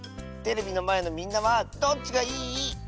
テレビのまえのみんなはどっちがいい？